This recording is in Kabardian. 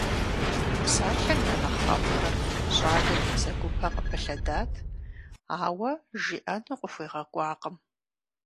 Псалъэм я нэхъ ӀэфӀхэр щӀалэм и бзэгупэ къыпылъэдат, ауэ жиӀэну къыхуегъэкӀуакъым.